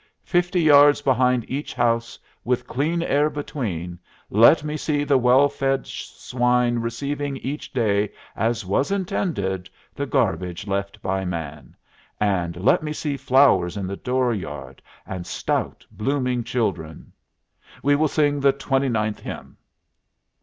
Fifty yards behind each house, with clean air between, let me see the well fed swine receiving each day, as was intended, the garbage left by man. And let me see flowers in the door yard, and stout, blooming children. We will sing the twenty ninth hymn."